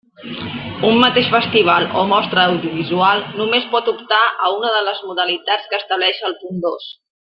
Un mateix festival o mostra audiovisual només pot optar a una de les modalitats que estableix el punt dos.